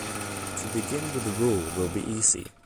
To begin with the rule will be easy.